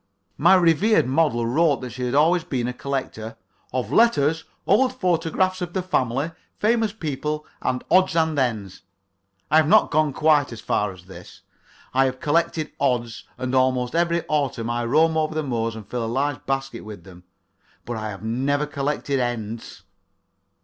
My revered model wrote that she had always been a collector "of letters, old photographs of the family, famous people and odds and ends." I have not gone quite as far as this. I have collected odds, and almost every autumn I roam over the moors and fill a large basket with them, but I have never collected ends.